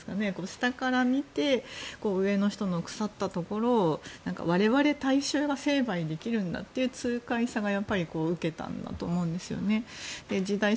下から見て上の人の腐ったところを我々、大衆が成敗できるんだという痛快さが受けたんだと思うんですよね。